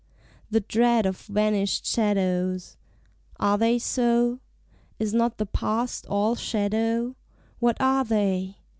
The dread of vanished shadows. Are they so? Is not the past all shadow? What are they?